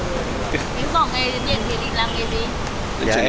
nếu bỏ nghề em sẽ định làm nghề gì